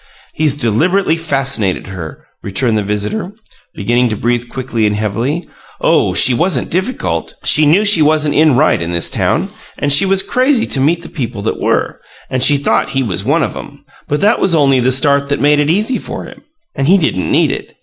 "He's deliberately fascinated her," returned the visitor, beginning to breathe quickly and heavily. "Oh, she wasn't difficult! She knew she wasn't in right in this town, and she was crazy to meet the people that were, and she thought he was one of 'em. But that was only the start that made it easy for him and he didn't need it.